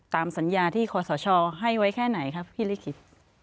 ตามสัญญาที่ขอสชอให้ไว้แค่ไหนที่คิด